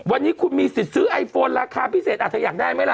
วันนี้คุณมีสิทธิ์ซื้อไอโฟนราคาพิเศษอาจจะอยากได้ไหมล่ะ